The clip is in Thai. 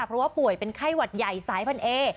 เพราะว่าป่วยเป็นไข้หวัดใหญ่สายพันเอ